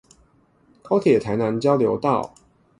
高鐵台南交流道